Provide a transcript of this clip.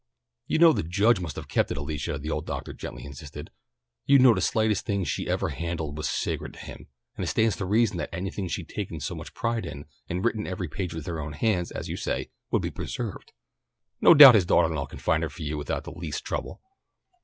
"You know the Judge must have kept it, Alicia," the old doctor gently insisted. "You know the slightest thing she ever handled was sacred to him, and it stands to reason that anything she'd taken so much pride in, and written every page with her own hands, as you say, would be preserved. No doubt his daughter in law can find it for you without the least trouble."